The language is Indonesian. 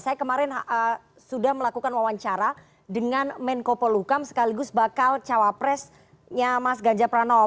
saya kemarin sudah melakukan wawancara dengan menko polukam sekaligus bakal cawapresnya mas ganjar pranowo